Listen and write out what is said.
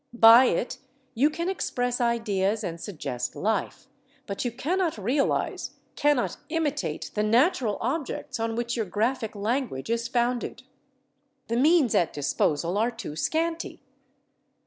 By it you can express ideas and suggest life, but you cannot realise, cannot imitate the natural objects on which your graphic language is founded. The means at disposal are too scanty.